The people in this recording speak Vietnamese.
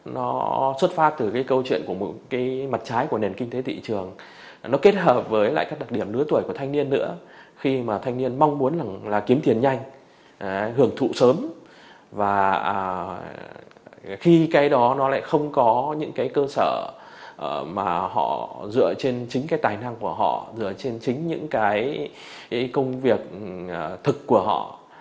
nó xuất phát từ cái câu chuyện của một cái mặt trái của nền kinh tế thị trường nó kết hợp với lại các đặc điểm lứa tuổi của thanh niên nữa khi mà thanh niên mong muốn là kiếm tiền nhanh hưởng thụ sớm và khi cái đó nó lại không có những cái cơ sở mà họ dựa trên chính cái tài năng của họ dựa trên chính những cái công việc thực của họ